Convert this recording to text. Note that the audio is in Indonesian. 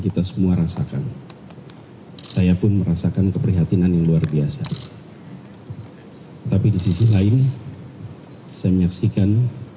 kita semua rasakan saya pun merasakan keprihatinan yang luar biasa tapi di sisi lain saya menyaksikan